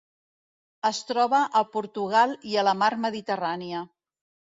Es troba a Portugal i a la Mar Mediterrània.